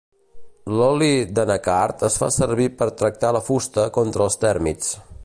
L'oli d'anacard es fa servir per tractar la fusta contra els tèrmits.